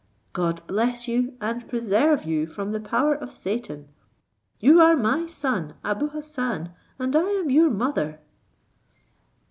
God bless you, and preserve you from the power of Satan. You are my son Abou Hassan, and I am your mother."